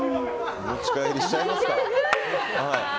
お持ち帰りしちゃいますか！